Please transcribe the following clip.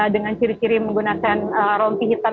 dengan ciri ciri menggunakan rompi hitam